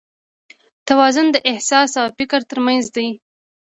توازن د احساس او فکر تر منځ دی.